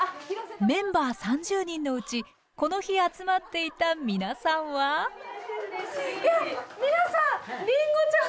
メンバー３０人のうちこの日集まっていた皆さんはきゃ！